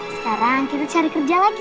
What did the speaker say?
sekarang kita cari kerja lagi